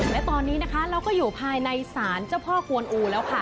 และตอนนี้นะคะเราก็อยู่ภายในศาลเจ้าพ่อกวนอูแล้วค่ะ